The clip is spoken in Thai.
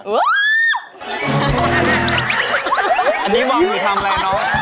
อันนี้บอกที่จะทำอะไร